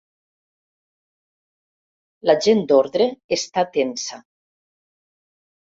La gent d'ordre està tensa.